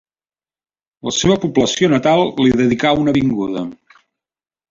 La seva població natal li dedicà una avinguda.